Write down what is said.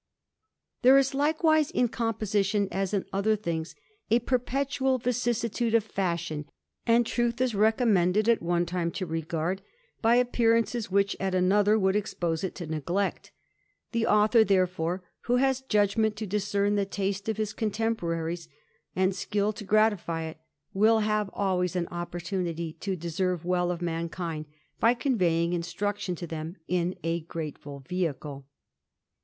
There is likewise in composition, ^ in other things, a perpetual vicissitude of fashion ; and ^th is reconmiended at one time to regard, by appearances ^hich at another would expose it to neglect; the author, ^crefore, who has judgment to discern the taste of his con '^poraries, and skill to gratify it, will have always an opportunity to deserve well of mankind, by conveying "^truction to them in a grateful vehicle.